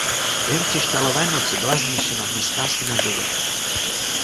Během křišťálové noci byla zničena městská synagoga.